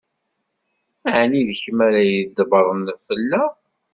Ɛni d kemm ara ydebbṛen fell-aɣ?